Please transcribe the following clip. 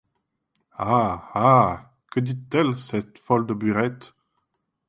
Ah ! ah ! que dict-elle, ceste folle de Buyrette ?